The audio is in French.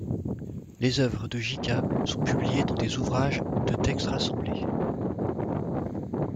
Les œuvres de Gjika sont publiées dans des ouvrages de textes rassemblés.